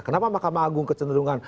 kenapa makam agung kecenderungan